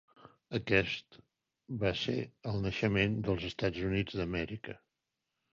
Aquest va ser el naixement dels Estats Units d'Amèrica.